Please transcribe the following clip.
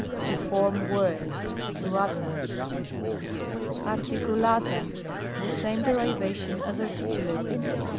To form words ; to utter. ARTICULATA. The same derivation as articulate.